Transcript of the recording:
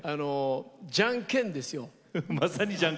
じゃんけんです。